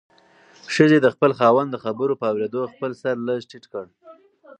ښځې د خپل خاوند د خبرو په اورېدو خپل سر لږ ټیټ کړ.